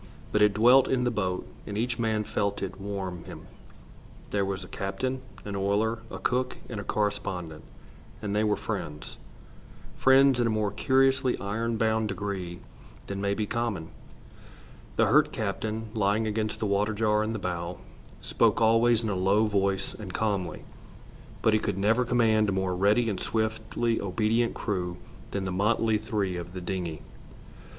But it dwelt in the boat, and each man felt it warm him. They were a captain, an oiler, a cook, and a correspondent, and they were friends, friends in a more curiously iron bound degree than may be common. The hurt captain, lying against the water jar in the bow, spoke always in a low voice and calmly, but he could never command a more ready and swiftly obedient crew than the motley three of the dingey.